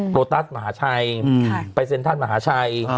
โลตัสมหาชัยไปเซ็นทรัลมหาชัย